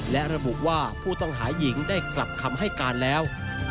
และระบุว่าผู้ต้องหาหญิงได้กลับคำให้การแล้ว